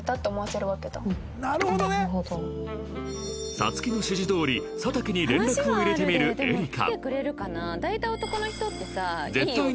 皐月の指示どおり佐竹に連絡を入れてみるエリカ